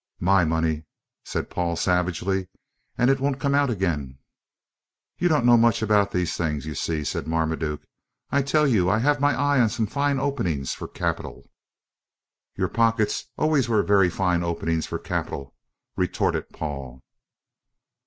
"My money!" said Paul savagely; "and it won't come out again." "You don't know much about these things, you see," said Marmaduke; "I tell you I have my eye on some fine openings for capital." "Your pockets always were very fine openings for capital," retorted Paul.